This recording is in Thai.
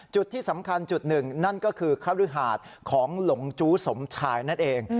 จุดที่สำคัญจุดหนึ่งนั่นก็คือคฤหาสของหลงจู้สมชายนั่นเอง